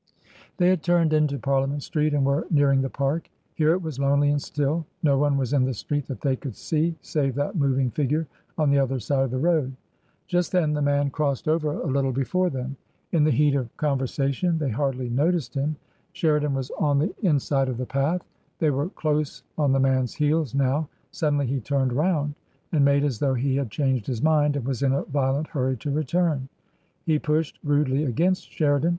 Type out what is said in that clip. They had turned into Parliament Street and were nearing the Park. Here it was lonely and still ; no one was in the street that they could see save that moving figure on the other side of the road. Just then the man crossed over a little before them. In the heat of conver sation they hardly noticed him. Sheridan was on the 25* 294 TRANSITION. inside of the path. They were close on the man's heels now. Suddenly he turned round and made as though he had changed his mind and was in a violent hurry to return. He pushed rudely against Sheridan.